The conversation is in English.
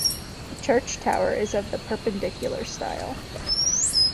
The church tower is of the Perpendicular style.